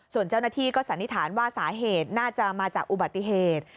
ส่วนเจ้าหน้าที่ก็สันนิษฐานว่าสาเหตุน่าจะมาจากอุบัติเหตุ